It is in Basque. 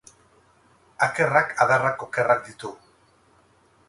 Akerrak adarrak okerrak ditu.